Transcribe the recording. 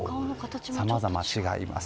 さあざま違います。